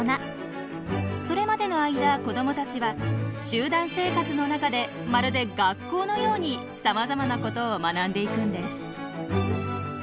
それまでの間子どもたちは集団生活の中でまるで学校のようにさまざまなことを学んでいくんです。